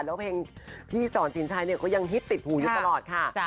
แล้วเพลงพี่สอนสินชัยเนี่ยก็ยังฮิตติดหูอยู่ตลอดค่ะ